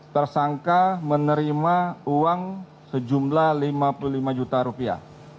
tersangka menerima uang sejumlah rp lima puluh lima juta